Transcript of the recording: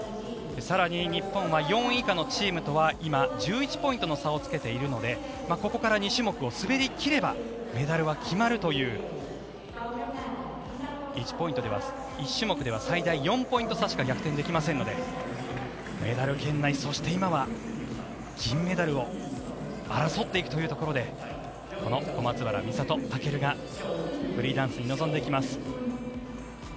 更に日本は４位以下のチームとは今、１１ポイントの差をつけているのでここから２種目を滑り切ればメダルは決まるという１種目では最大４ポイント差しか逆転できませんのでメダル圏内、そして今は銀メダルを争っていくというところでこの小松原美里・尊がフリーダンスに臨んでいきます。